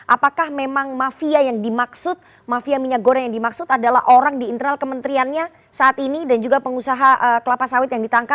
apakah memang mafia yang dimaksud mafia minyak goreng yang dimaksud adalah orang di internal kementeriannya saat ini dan juga pengusaha kelapa sawit yang ditangkap